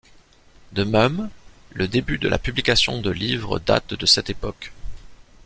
De même, le début de la publication de livres date de cette époque.